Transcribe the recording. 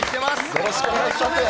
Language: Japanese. よろしくお願いします。